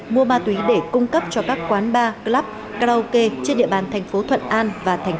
mua ma túy để cung cấp cho các quán bar club karaoke trên địa bàn thành phố thuận an và thành phố